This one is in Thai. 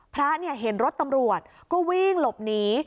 พระเห็นรถตำรวจก็วิ่งหลบหนี